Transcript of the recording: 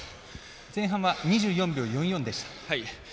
前半は２４秒４４でした。